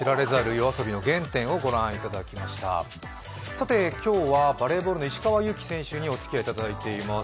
さて、今日はバレーボールの石川祐希選手におつきあいいただいています。